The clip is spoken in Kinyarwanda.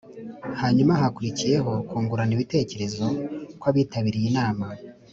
hanyuma hakurikireho kungurana ibitekerezo kw abitabiriye inama